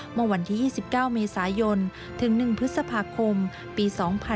เมื่อวันที่๒๙เมษายนถึง๑พฤษภาคมปี๒๕๕๙